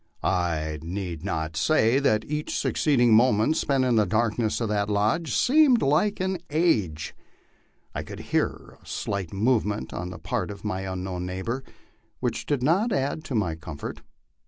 I need not say that each suc ceeding moment spent in the darkness of that lodge seemed like an age. I could hear a slight movement on the part of my unknown neighbor, which did not add to my comfort.